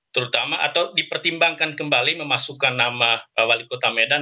terutama atau dipertimbangkan kembali memasukkan nama wali kota medan